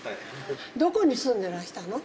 どこに住んでらしたの？